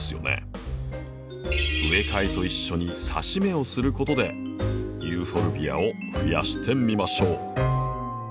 植え替えと一緒にさし芽をすることでユーフォルビアをふやしてみましょう。